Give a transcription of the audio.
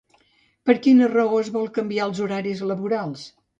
Per quina raó es vol canviar els horaris laborals?